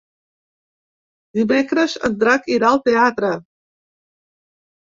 Dimecres en Drac irà al teatre.